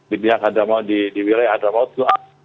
di wilayah dramaut itu aman